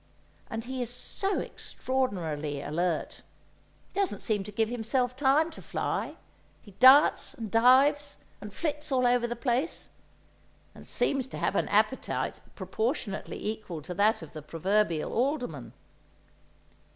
And he is so extraordinarily alert; he doesn't seem to give himself time to fly, he darts and dives and flits all over the place, and seems to have an appetite proportionately equal to that of the proverbial alderman.